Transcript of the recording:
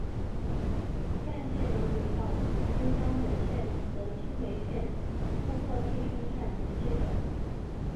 干线的轨道与中央本线和青梅线通过立川站连接着。